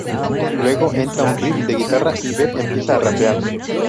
Luego entra un riff de guitarra y Beck empieza a rapear.